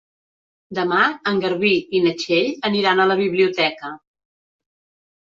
Demà en Garbí i na Txell aniran a la biblioteca.